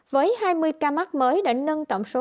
với hai mươi ca mắc mới đã nâng tổng số